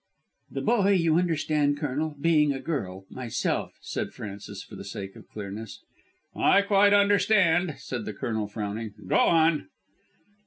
"The boy, you understand, Colonel, being a girl myself," said Frances for the sake of clearness. "I quite understand," said the Colonel frowning. "Go on."